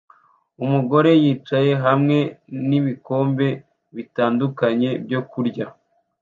Umugore yicaye hamwe n’ibikombe bitandukanye byokurya